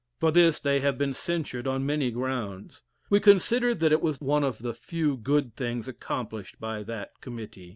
For this they have been censured on many grounds. We consider that it was one of the few good things accomplished by that Committee.